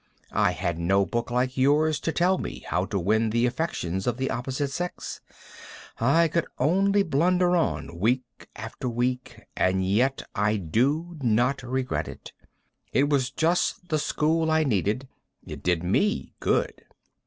I had no book like yours to tell me how to win the affections of the opposite sex. I could only blunder on, week after week and yet I do not regret it. It was just the school I needed. It did me good.